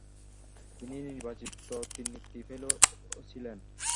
তিনি নির্বাচিত ত্রিনিত্রি ফেলো ছিলেন।